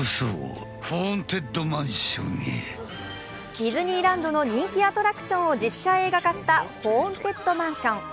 ディズニーランドの人気アトラクションを実写映画化した「ホーンテッドマンション」。